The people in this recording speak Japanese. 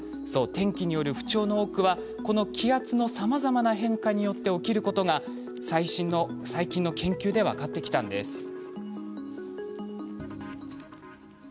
そう、天気による不調の多くはこの気圧のさまざまな変化によって起きることが最近の研究で分かってきたんです。